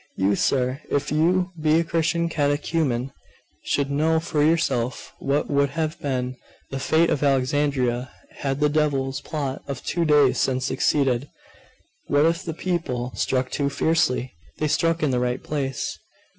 You, sir, if you be a Christian catechumen, should know for yourself what would have been the fate of Alexandria had the devil's plot of two days since succeeded. What if the people struck too fiercely? They struck in the right place.